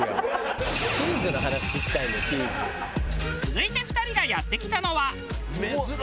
続いて２人がやって来たのは。